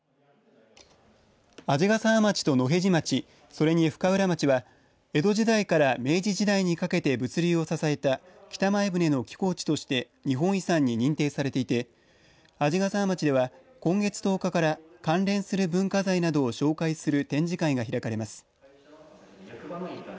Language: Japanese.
鰺ヶ沢町と野辺地町それに深浦町は江戸時代から明治時代にかけて物流を支えた北前船の寄港地として日本遺産に認定されていて鰺ヶ沢町では今月１０日から関連する文化財などを紹介する展示会が開かれます。